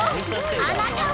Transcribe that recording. あなたは］